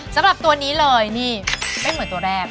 สำหรับตัวนี้เลยนี่ไม่เหมือนตัวแรก